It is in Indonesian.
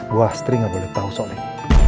bu astri gak boleh tau soalnya